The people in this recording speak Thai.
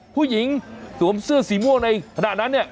สวมเสื้อสีม่วงในขณะนั้นเนี่ย